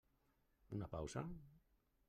Una pausa.